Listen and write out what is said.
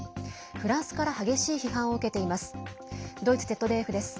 フランスから激しい批判を受けています。